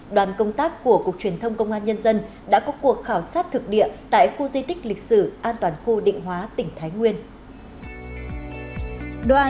đoàn công tác của cục truyền thông công an nhân dân đã có cuộc khảo sát thực địa tại khu di tích lịch sử an toàn khu định hóa tỉnh thái nguyên